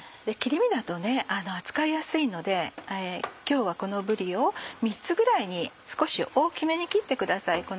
切り身だと扱いやすいので今日はこのぶりを３つぐらいに少し大きめに切ってください。